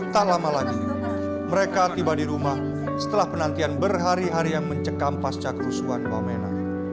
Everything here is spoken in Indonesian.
tak lama lagi mereka tiba di rumah setelah penantian berhari harian mencekam pasca kerusuhan wamena